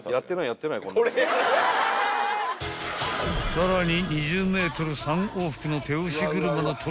［さらに］